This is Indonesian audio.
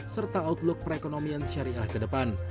serta outlook perekonomian syariah ke depan